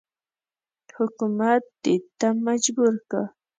حکومت دې ته مجبور کړ.